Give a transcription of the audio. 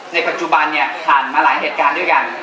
ในปัจจุบันเนี่ยผ่านมาหลายเหตุการณ์ด้วยกัน